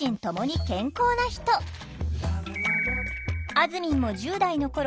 あずみんも１０代のころ